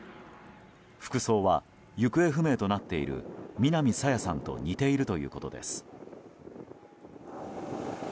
服装は、行方不明となっている南朝芽さんと似ているということです。